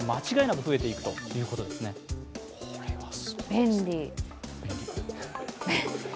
便利。